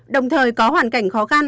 đồng thời có hoàn cảnh khó khăn